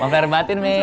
maaflahi batin mi